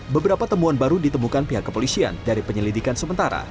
beberapa temuan baru ditemukan pihak kepolisian dari penyelidikan sementara